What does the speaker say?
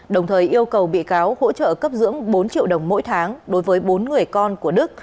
đồng thời yêu cầu bị cáo hỗ trợ cấp dưỡng bốn triệu đồng mỗi tháng đối với bốn người con của đức